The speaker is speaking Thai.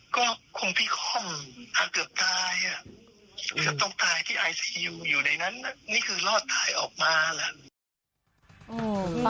ก็คงพี่คอมอาจเกือบตายอยู่ในนั้นก็ลอดถ่ายออกมาล่ะ